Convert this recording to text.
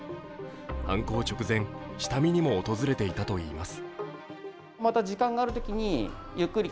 犯行直前、下見にも訪れていたといいます。